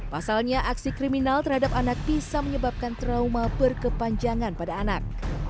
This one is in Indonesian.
pasalnya aksi kriminal terhadap anak bisa menyebabkan trauma berkepanjangan pada anak